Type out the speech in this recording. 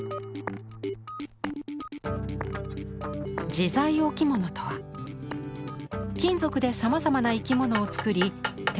自在置物とは金属でさまざまな生き物を作り手脚